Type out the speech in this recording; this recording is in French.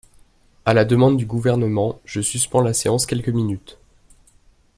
À la demande du Gouvernement, je suspends la séance quelques minutes.